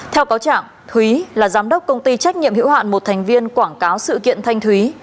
theo cáo trạng thúy là giám đốc công ty trách nhiệm hữu hạn một thành viên quảng cáo sự kiện thanh thúy